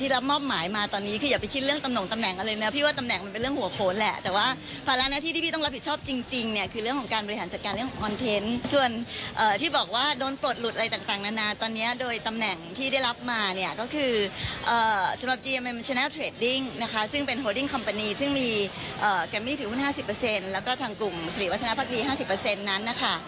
แล้วก็ทางกลุ่มศรีวัฒนาภักดี๕๐นั้นนะคะ